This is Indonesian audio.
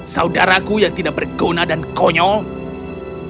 saudaraku yang tidak berguna dan konyol